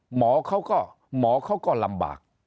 หมอเขาก็ลำบาก